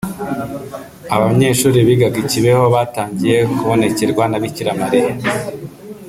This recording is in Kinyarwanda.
Abanyeshuri bigaga i Kibeho batangiye kubonekerwa na Bikira Mariya